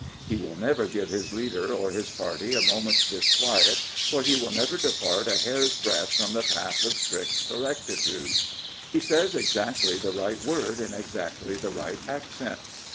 He will never give his leader or his party a moment's disquiet, for he will never depart a hair's breadth from the path of strict correctitude. He says exactly the right word in exactly the right accent.